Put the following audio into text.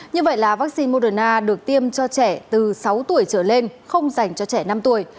như vậy là vaccine moderna được tiêm cho trẻ từ sáu tuổi trở lên không dành cho trẻ năm tuổi